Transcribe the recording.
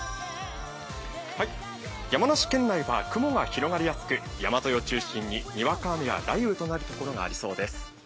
山梨県内は雲が広がりやすく、山沿いを中心ににわか雨や雷雨となるところがありそうです。